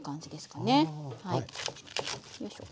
よいしょ。